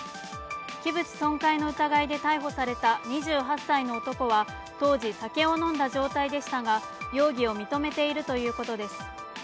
器物損壊の疑いで逮捕された２８歳の男は、当時、酒を飲んだ状態でしたが容疑を認めているということです。